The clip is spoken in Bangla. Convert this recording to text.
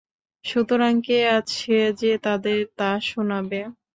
সুতরাং কে আছে যে তাদের তা শুনাবে?